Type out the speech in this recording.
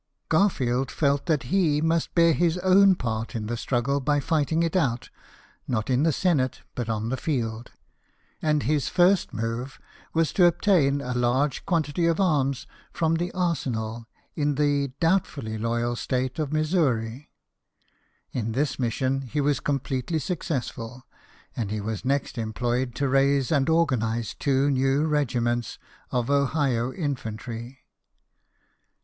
Garfield felt that he must bear his own part in the struggle by fighting it out, not in the Senate but on the field ; and his i $6 BIOGRAPHIES OF WORKING MEN. first move was to obtain a large quantity of arms from the arsenal in the doubtfully loyal state of Missouri. In this mission he was completely successful ; and he was next em ployed to raise and organize two new regiments of Ohio infantry.